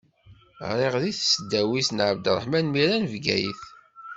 Ɣriɣ deg tesdawit Ɛebderreḥman Mira n Bgayet.